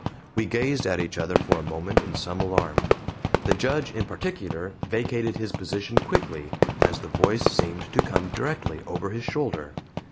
We gazed at each other for a moment in some alarm. The Judge, in particular, vacated his position quickly, as the voice seemed to come directly over his shoulder.